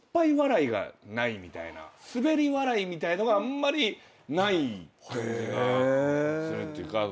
スベり笑いみたいなのがあんまりない感じがするっていうか。